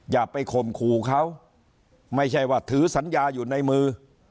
อย่าไปข่มขู่เขาไม่ใช่ว่าถือสัญญาอยู่ในมือ